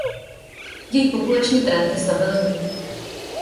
Její populační trend je stabilní.